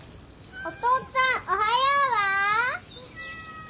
お父っつぁん「おはよう」は？